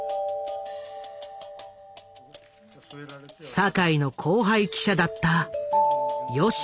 坂井の後輩記者だった吉儀利彦。